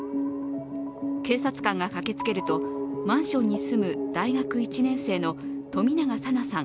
警察官が駆けつけると、マンションに住む大学１年生の冨永紗菜さん